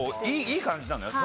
いい感じなのよ